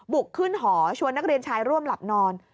บุกขึ้นหอชวนนักเรียนชายร่วมหลับนอน